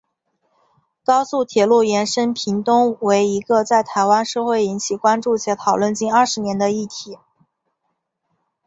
高速铁路延伸屏东为一个在台湾社会引起关注且讨论近二十年的议题。